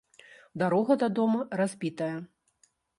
Дарога да дома разбітая.